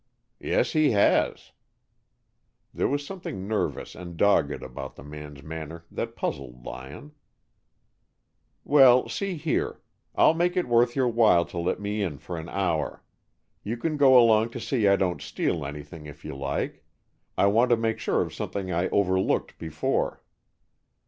"Yes, he has." There was something nervous and dogged about the man's manner that puzzled Lyon. "Well, see here. I'll make it worth your while to let me in for an hour. You can go along to see I don't steal anything, if you like. I want to make sure of something I overlooked before."